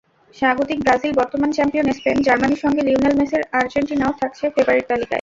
স্বাগতিক ব্রাজিল, বর্তমান champion Spain, জার্মানির সঙ্গে লিওনেল মেসির আর্জেন্টিনাও থাকছে ফেবারিট তালিকায়।